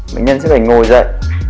bệnh nhân sẽ phải ngồi dậy